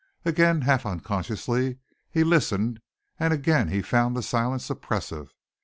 Again, half unconsciously, he listened, and again he found the silence oppressive.